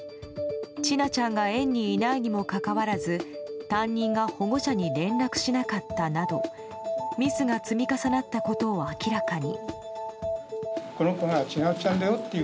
千奈ちゃんが園にいないにもかかわらず担任が保護者に連絡しなかったなどミスが積み重なったことを明らかに。